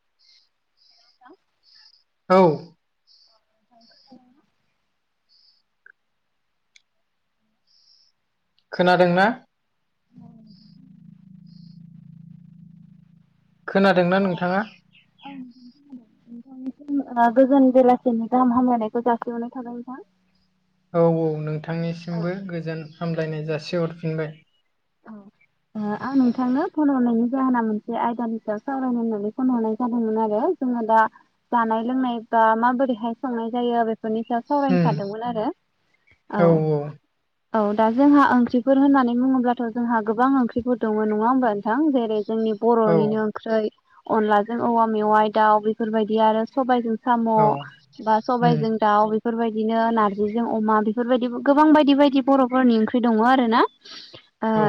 [inaudible] औ। [inaudible] खोनादोंना? खोनादोंना नोंथाङा? औ नोंथां खोनादों। नोंथांनि सिम गोजान बेलासिमनि गाहाम हामलायनायखौ जासिहरनाय थाबाय नोंथां। औ औ नोंथांनिसिमबो गोजोन हामलायनाय जासिहरफिनबाय। औ। आं नोंथांनो फन हरनायनि जाहोना मोनसे आयदानि सायाव सावरायनो होननानै फन हरनाय जादोंमोन आरो। जोंङो दा जानाय लोंनाय बा माबोरैहाय संनाय जायो बे बेफोरनि सायाव सावरायनो उम सानदोंमोन आरो औ। औ दा जोंहा ओंख्रिफोर होननानै बुङोब्लाथ' जोंहा गोबां ओंख्रिफोर दङ नङा होमबा नोंथां जेरै जोंनि औ बर'निनो ओंख्रै अनलाजों औवा मेवाइ दाउ बेफोरबायदि आरो सबाइजों साम' औ बा उम सबाइजों दाउ बेफोरबायदिनो नार्जिजों अमा बेफोरबायदि गोबां बायदि बायदि बर'फोरनि ओंख्रि दङ आरो ना? आ औ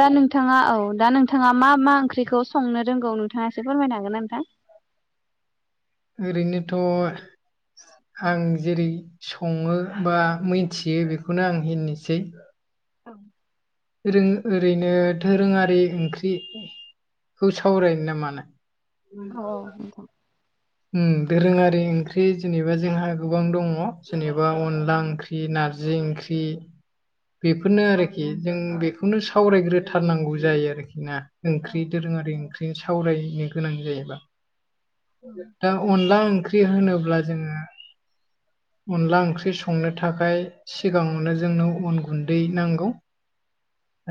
दा नोंथाङा औ दा नोंथाङा मा मा ओंख्रिखौ संनो रोंगौ नोंथाङा एसे फोरमायनो हागोन नोंथां? ओरैनोथ' आं जेरै सङो बा मिथियो बेखौनो आं होननोसै। औ। आरै ओरैनो दोरोङारि ओंख्रिखौ सावरायनो ना मानो? औ औ नोंथां। ओं दोरोङारि ओंख्रि जेनेबा जोंहा गोबां दङ जेनेबा अनला ओंख्रि ओंख्रि नारजि ओंख्रि। बेफोरनो आरोखि जों बेखौनो सावरायग्रोथारनांगौ जायो आरोखि ना। ओंख्रि दोरोङारि ओंख्रि सावरायनो गोनां जायोबा। उम। दा अनला ओंख्रि होनोब्ला जोंङो अनला ओंख्रि संनो थाखाय सिगाङावनो जोंनो अन गुन्दै नांगौ।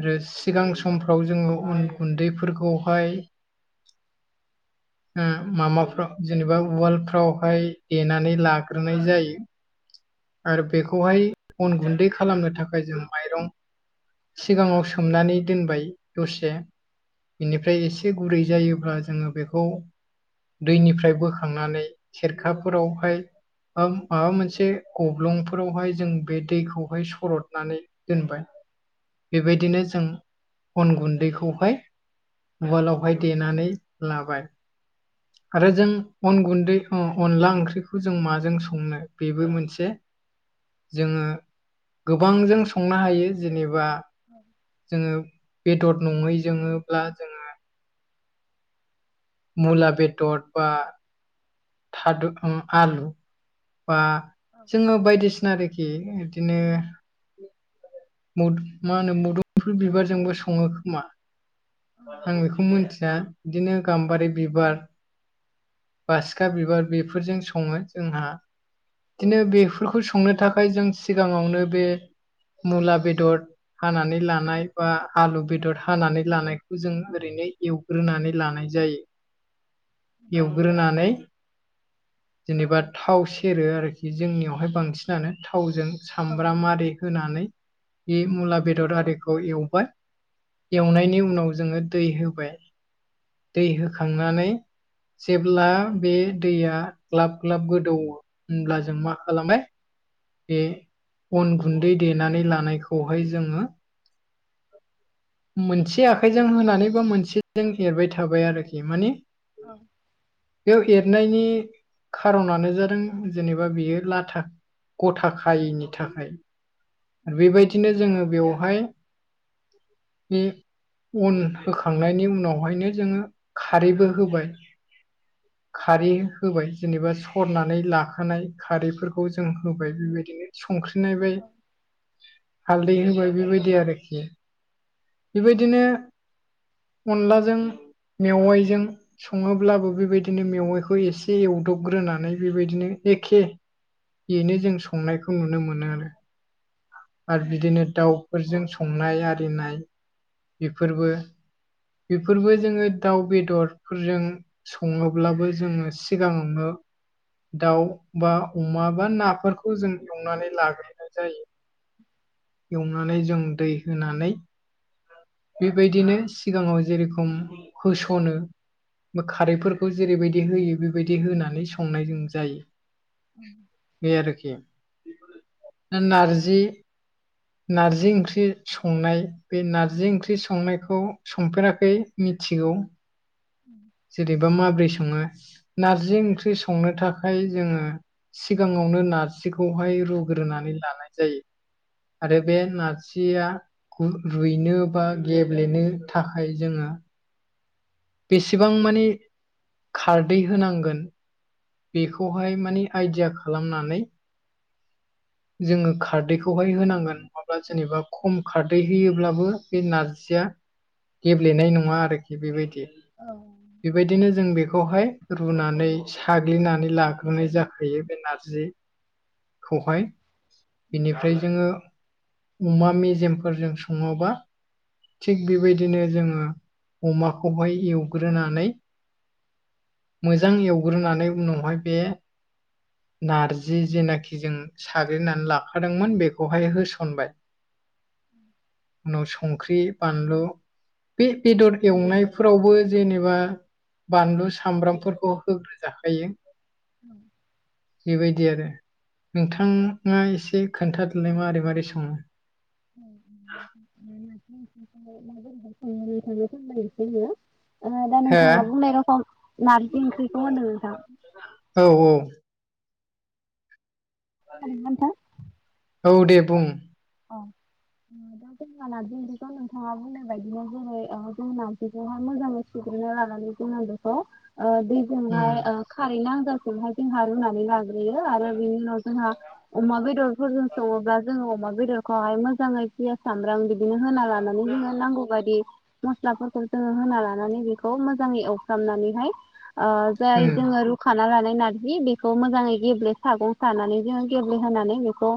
आरो सिगां समफ्राव जोनङो उन गुन्दैफोरखौहाय उम [unintelligible] जेनेबा उवालफ्रावहाय देनानै लाग्रोनाय जायो। आरो बेखौहाय अन गुन्दै खालामनो थाखाय जों माइरं सिगाङाव सोमनानै दोनबाय दसे बेनिफ्राय एसे गुरै जायोब्ला जोङो बेखौ दैनिफ्राय बोखांनानै सेरखाफोरावहाय माबा मोनसे गब्लंफोरावहाय जों बे दैखौहाय सरदनानै दोनबाय। बेबायदिनो जों अन गुन्दैखौहाय उवालावहाय देनानै लाबाय। आरो जों अन गुन्दै अनला ओंख्रिखौ जों माजों संनो बेबो मोनसे जोङो गोबांजों संनो हायो जेनेबा औ जोङो बेदर नङै जोङोब्ला जों मुला बेदद बा थादु अ आलु बा जोङो बायदिसिना [unintelligible] [unintelligible] बिदिनो मुद मा होनो मुदुलफोर बिबारजोंबो सङो खोमा। आं बेखौ मोनथिया बिदिनो गाम्बारि बिबार बासिखा बिबार बेफोरजों सङो जोंहा। बिदिनो बेफोरखौ संनो थाखाय जों सिगाङावनो बे मुला बेदर हानानै लानाय बा आलु बेदर हानानै लानायखौ जों ओरैनो एवग्रोनानै लानाय जायो। एवग्रोनानै जेनेबा थाव सेरो आरोखि जोंनियावहाय बांसिनानो थावजों सामब्राम आरि होनानै बे मुला बेदर आरिखौ एवबाय एवनायनि उनाव जोङो दै होबाय। दै होखांनानै जेब्ला बे दैया ग्लाब ग्लाब गोदौवो होनब्ला जों मा खालामबाय बे अन गुन्दै देनानै लानायखौहाय जोङो मोनसे आखाइजों होनानै बा मोनसेजों एरबाय थाबाय आरोखि माने औ बेयाव एरनायनि खार'नानो जादों जेनेबा बेयो लाथा गथा खायिनि थाखाय आरो बेबायदिनो जोङो बेवहाय [unintelligible] अन होखांनायनि उनावहायनो जोङो खारैबो होबाय। खारै होबाय जेनेबा सरनानै लाखानाय खारैफोरखौ जों होबाय बिबायदिनो। संख्रि नायबाय हालदै होबाय बेबायदि आरोखि बिबायदिनो अनलाजों मेवाइजों सङोब्लाबो बेबायदिनो मेवाइखौ एसे एवदबग्रोनानै बेबायदिनो एखे बेनो जों संनायखौ नुनो मोनो आरो। आरो बिदिनो दाउफोरजों संनाय आरिनाय बेफोरबो। बेफोरबो जोङो दाउ बेदरफोरजों सङोब्लाबो जोङो सिगाङावनो दाउ बा अमा बा नाफोरखौ जों एवनानै लाग्रोनाय जायो। एवनानै जों दै होनानै बेबायदिनो सिगाङाव जेरखम होस'नो बा खारैफोरखौ जेरैबायदि होयो बेबायदि होनानै संनाय जों जायो। बे आरोखि। ओ नारजि नारजि ओंख्रि संनाय बे नारजि ओंख्रि संनायखौ संफेराखै मिथिगौ। [inaudible] जेरेबा माब्रै सङो। नारजि ओंख्रि संनो थाखाय जोङो सिगाङावनो नारजिखौहाय रुग्रोनानै लानाय जायो आरो बे नारज जिया गु रुइनो बा गेब्लेनो थाखाय जोङो बेसेबां माने खारदै होनांगोन बेखौहाय माने आइडिया खालामनानै जोङो खारदैखौहाय होनांगोन नङाब्ला जेनेबा खम खारदै होयोब्लाबो बे नारजिया गेब्लेनाय नङा आरोखि बेबायदि। बेबायदिनो जों बेखौहाय रुनानै साग्लिनानै लाग्रोनाय जाखायो बे नारजि खौहाय। बिनिफ्राय जोङो उमा मेजेमफोरजों सङोबा थिग बेबायदिनो जोङो अमाखौहाय एवग्रोनानै मोजां एवग्रोनानै उनावहाय बे नारजि जेनाखि जों साग्लिनानै लाखादोंमोन बेखौहाय होसनबाय उनाव सं संख्रि बानलु बे बेदर एवनायफोरावबो जेनेबा बानलु सामब्रामफोरखौ होग्रोजाखायो। [inaudible] बेबायदि आरो नोंथाङा एसे खोन्थादोलाय मारै-मारै सङो। [inaudible] ओ दा नोंथाङा बुंनाय रखम नारजि ओंख्रिखौ होनदों नोंथां। औ-औ [unintelligible] औ दे बुं। अ दा जोंहा नारजि ओंख्रिखौ नोंथाङा बुंनाय बायदिनो जेरै ओ जों नारजिखौहाय मोजांङै [inaudible] उम जोंहाय ओ खारै नांजाखौहाय जोंहा रुनानै लाग्रो यो आरो बिनि उनाव जोंहा अमा बेदरफोरजों संङोबा जों अमा बेदरखौहाय मोजाङै पियास सामब्राम बिदिनो होना लानानै जोङो नांगौ बायदि मस्लाफोरखौ जोङो होना लानानै बेखौ मोजाङै एवफ्रामनानैहाय ओ जाय उम जोङो रू खाना लानाय नार्जि बेखौ मोजाङै गेब्ले सागं सानानै जोङो गेब्लेहानै बेखौ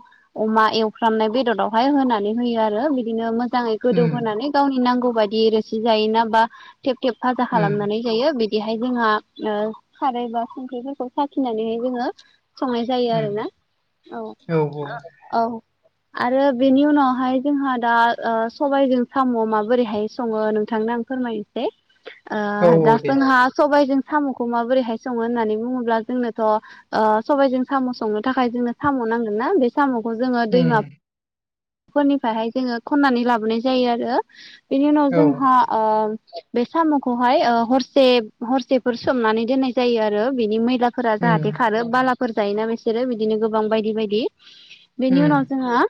अमा एवफ्रामनाय बेददावहाय होनानै होयो आरो बिदिनो मोजाङै गोदौ उम होनानै गावनि नांगौ बायदि रोसि जायोना बा थेब-थेब फाजा उम खालामनानै जायो बिदिहाय जोंहा ओ खारै बा संख्रिफोरखौ साखिनानैहाय जोङो संनाय जायो उम आरोना। औ औ औ-औ आरो बेनि उनावहाय जोंहा दा ओ सबायजों साम' माबोरैहाय सङो नोंथांनो आं फोरमायनसै ओ औ दा औ दे जोंहा सबायजों साम'खौ माबोरैहाय सङो होननानै बुङोब्ला जोंनोथ' ओ सबायजों साम' संनो थाखाय जोंनो साम' नांगोन ना बे साम'खौ जोङो उम दैमा फोरनिफ्रायहाय जोङो खन्नानै लाबोनाय जायो आरो। बिनि उनाव औ जोंहा ओ बे साम'खौहाय ओ हरसे हरसेफोर सोमनानै दोननाय जायो आरो बिनि मै लाफोरा उम जाहाथे खारो बालाफोर जायोना बिसोरो बिदिनो गोबां बायदि बायदि। बेनि उनाव उम जोंहा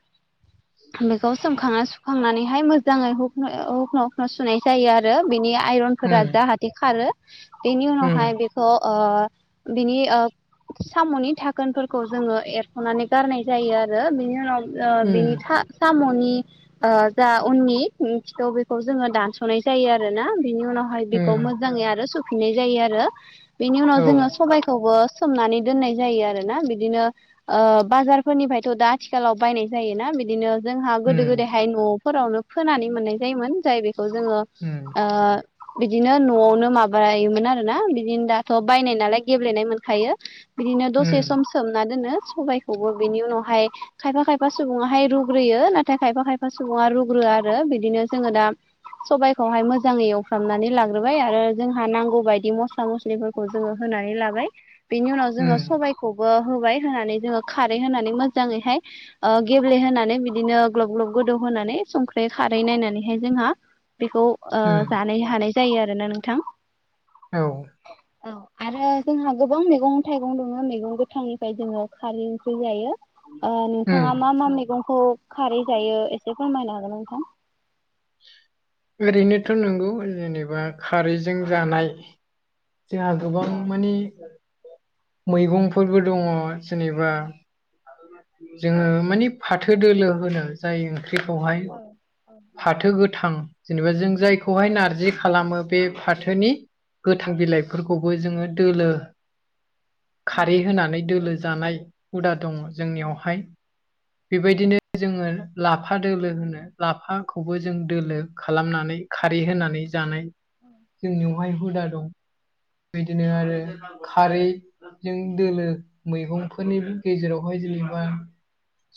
बेखौ सोमखाङा सु खांनानैहाय मोजाङै हुखन हुख्न'-हुख्न' सुनाय जायो आरो बेनि आइरनफोरा उम जाहा [unintelligible] बेनि उम उनावहाय बेखौ ओ बिनि ओ साम'नि थाखोनफोरखौ जोङो एरख'नानै गारनाय जायो आरो बिनि ओ बिनि उम सा- साम'नि ओ जा उननि खिथौ बेखौ जोङो दानस'नाय जायो आरोना। बिनि उनाव [unintelligible] उम मोजाङै आरो सुफिनाय जायो आरो बेनि उनाव औ जों सबायखौबो सोमनानै दोननाय जायो आरोना। बिदिनो ओ बाजारफोरनिफ्रायथ' दा आथिखाल आथिखालाव बायनाय जायोना बिदिनो जोंहा गोदो- उम गोदायहाय न'आव [unintelligible] फोनानै मोननाय जायोमोन जाय बेखौ जोङो होम ओ बिदिनो न'आवनो माबायोमोन आरो ना। बिदिनो दाथ' बायनाय नालाय गेब्लेनाय मोनखायो। बिदिनो दसे उम सम सोमना दोनो सबायखौबो बिनि उनावहाय खायफा -खायफा सुबुङाहाय रुग्रोयो नाथाय खायफा- खायफा सुबुङा रुग्रोया आरो बिदिनो जोङो दा सबाइखौहाय मोजाङै एवफ्रामनानै लाग्रोबाय आरो जोंहा नांगौ बायदि मस्ला- मस्ला [unintelligible] जोङो होनानै लाबाय। बेनि उनाव जोङो उम सबायखौबो होबाय होनानै जोङो खारै होनानै मोजाङैहाय ओ गेब्लेहोनानै बिदिनो ग्लब- ग्लब गोदौ होनानै संख्रै खारै नायनानैहाय जोंहा बेखौ ओ उम जानो हानाय जायो आरोना नोंथां। औ। औ। आरो जोंहा गोबां मैगं- थाइगं दङ मैगं गोथांनिफ्राय जोङो खारै ओंख्रि जायो। ओ उम नोंथाङा मा- मा मैगंखौ खारै जायो एसे फोरमायनो हागोन नोंथां? ओरैनोथ' नंगौ जेनेबा खारैजों जानाय जोंहा गोबां मानि मैगंफोरबो दङ जेनेबा जोङो माने फाथो दोलो होनो जाय ओंख्रिखौहाय औ औ। फाथो गोथां जेनेबा जों जायखौहाय नारजि खालामो बे फाथोनि गोथां बिलाइफोरखौबो जोङो दोलो खारै होनानै दोलो जानाय हुदा दङ जोंनियावहाय बेबायदिनो जोङो लाफा दोलो होनो [unintelligible] लाफाखौबो जों दोलो खालामनानै खारै होनानै जानाय जोंनि [unintelligible] हुदा दं। बिदिनो आरो खारै जों दोलो मैगंफोरनि गेजेरावहाय जेनेबा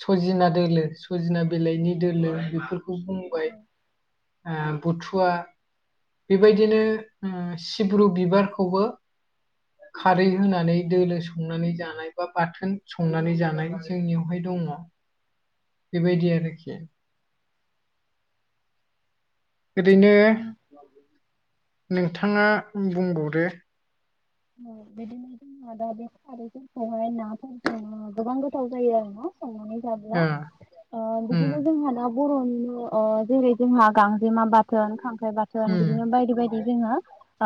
सजिना दोलो सजिना बिलाइनि दोलो बेफोरखौ बुंबाय। बुथुवा बेबायदिनो ओ सिब्रु बिबार [unintelligible] खारै होनानै दोलो संनानै जानाय बा बाथोन संनानै जानाय जोंनियावहाय दङ। बेबायदि आरोखि। ओरैनो नोंथाङा बुंबावदो। बिदिनो जोंहा दा बे खारैफोरखौहाय नाफोरजों गोबां गोथाव जायो आरो ना। संनानै जाब्ला ओ ओ उम बिदिनो जोंहा ना बर'नि ओ जेरै जोंहा [unintelligible] [unintelligible] बाथोन, खांख्राइ बाथोन उम बिदिनो बायदि - बायदि जोङो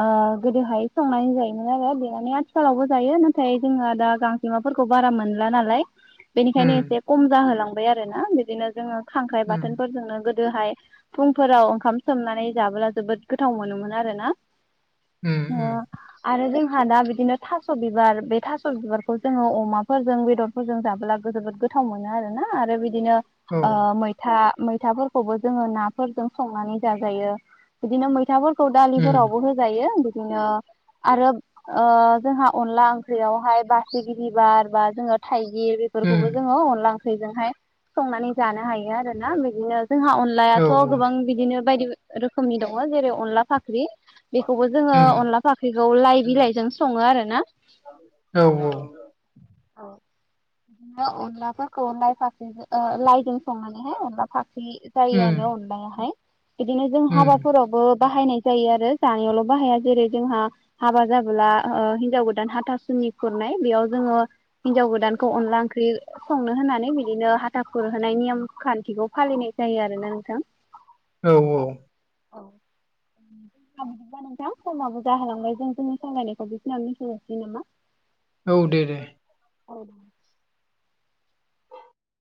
ओ गोदोहाय संनाय जायो। [unintelligible] आथिखालावबो जायो। नाथाय जोंहा दा गांजेमाफोरखौ बारा मोनला नालाय। बेनिखायनो उम एसे खम जाहोलांबाय आरो ना। बिदिनो जोङो खांख्राइ उम बाथोनफोरजोंनो गोदोहाय फुंफोराव ओंखाम सोमनानै जाबोला जोबोद गोथाव मोनोमोन आरोना उम उम [unintelligible] आरो जोंहा दा बिदिनो थास' बिबार, बे थास' बिबारखौ जोङो अमाफोरजों बेदर [unintelligible] जाब्ला जोबोद गोथाव मोनो आरोना आरो बिदिनो औ [unintelligible] [unintelligible] मैथाफोरखौबो जोङो नाफोरजों संनानै जाजायो। बिदिनो मैथा [unintelligible] उम दालिफोरावबो होजायो बिदिनो आरो ओ जोंहा अनला ओंख्रियावहाय बासिगिरि बार बा जोङो थाइगिर उम बेफोरखौबो जोङो अनला ओंख्रिजोंहाय संनानै जानो हायो। आरो ना बिदिनो जोंहा औ अनलायाथ' गोबां बिदिनो बायदि रोखोमनि दङ जेरै अनला फाख्रि बेखौबो जोङो उम अनला फाख ख्रि खौ लाइ बिलाइजों सङो आरो ना औ औ औ अनलाफोरखौ लाइ फा ओ लाइजों संनानैहाय अनला फाखि जायो उम आरो अनलायाहाय बिदिनो जों हाबा उम फोरावबो बाहायनाय जायो आरो जानायावल' बाहाया जेरै जोंहा हाबा जाबोला ओ हिन्जाव गोदान हाथासुनि खुरनाय बेयाव जोङो हिन्जाव गोदानखौ अनला ओंख्रि संनो होनानै बिदिनो हाथा खुरहोनाय नियम खान्थिखौ फालिनाय जायो आरोना नोंथां। औ औ [unintelligible] नोंथां समाबो जाहोलांबाय जों जोंनि सावालायनायखौ बिखिनिआवनो दोनथजासिनो नामा? औ दे दे औ